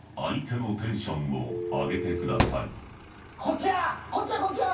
こっちやこっちやこっちや。